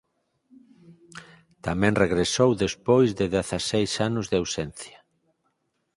Tamén regresou despois de dezaseis anos de ausencia.